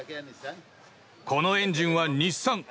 このエンジンは日産！